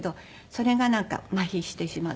それがなんかマヒしてしまって。